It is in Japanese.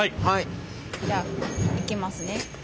いきます。